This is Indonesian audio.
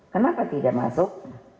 kenapa tidak masuk